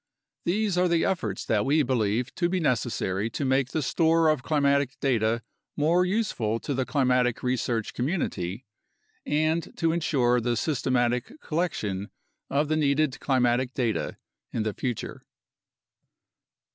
These are the efforts that we believe to be necessary to make the store of climatic data more useful to the climatic research community and to ensure the systematic collection of the needed climatic data in the future.